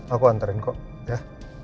aku anterin kok ya